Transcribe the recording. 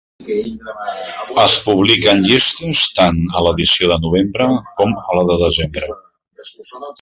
Es publiquen llistes tant a l'edició de novembre com a la de desembre.